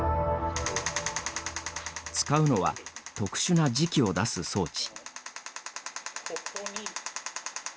使うのは特殊な磁気を出す装置。